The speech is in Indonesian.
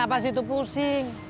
kenapa itu pusing